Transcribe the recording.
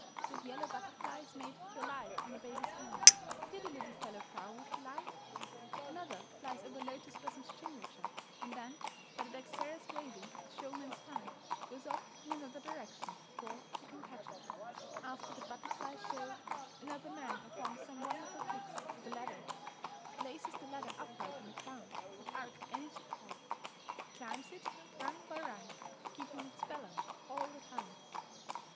That yellow butterfly is made to alight on a baby's hand. Hear the little fellow crow with delight. Another flies over Lotus Blossom's jinrikisha, and then, by the dexterous waving of the showman's fan, goes off in another direction before she can catch it. [Illustration: AUNT OCHO'S GARDEN.] After the butterfly show another man performs some wonderful tricks with a ladder. He places the ladder upright on the ground without any support; he climbs it, rung by rung, keeping its balance all the time.